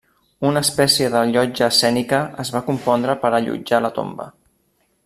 Una espècie de llotja escènica es va compondre per allotjar la tomba.